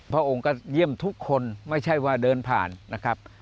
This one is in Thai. พระองค์ก็เยี่ยมทุกคนไม่ใช่ว่าเดินผ่านนะครับ